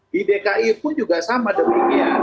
di dki pun juga sama demikian